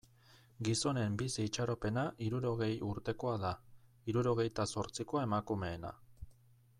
Gizonen bizi itxaropena hirurogei urtekoa da, hirurogeita zortzikoa emakumeena.